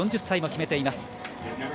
４０歳も決めています。